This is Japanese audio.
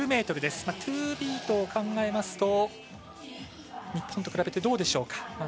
トゥービートを考えますと日本と比べてどうでしょうか。